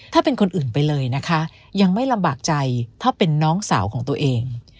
ถ้าเป็นคนอื่นไปเลยนะคะยังไม่ลำบากใจถ้าเป็นน้องสาวของตัวเอง